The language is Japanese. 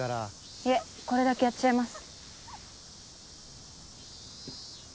いえこれだけやっちゃいます。